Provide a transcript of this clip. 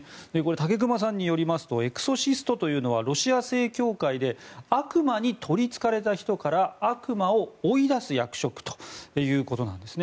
武隈さんによりますとエクソシストというのはロシア正教会で悪魔に取りつかれた人から悪魔を追い出す役職ということなんです。